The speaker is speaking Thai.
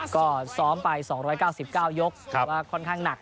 ก็ซ้อมไป๒๙๙ยกค่อนข้างหนัก